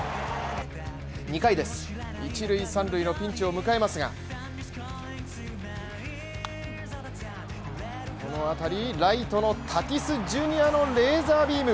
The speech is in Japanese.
２回です、一塁三塁のピンチを迎えますが、この当たり、ライトのタティスＪｒ．のレーザービーム。